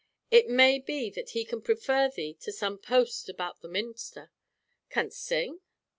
It may be that he can prefer thee to some post about the minster. Canst sing?"